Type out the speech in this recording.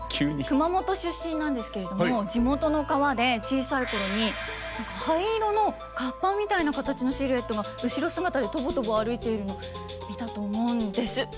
熊本出身なんですけれども地元の川で小さい頃に灰色のカッパみたいな形のシルエットが後ろ姿でとぼとぼ歩いているの見たと思うんです。